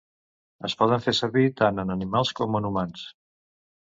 Es poden fer servir tant en animals com en humans.